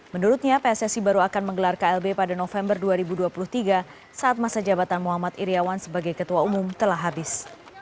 menurutnya pssi baru akan menggelar klb pada november dua ribu dua puluh tiga saat masa jabatan muhammad iryawan sebagai ketua umum telah habis